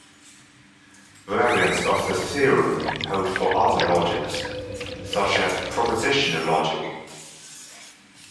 Variants of the theorem hold for other logics, such as propositional logic.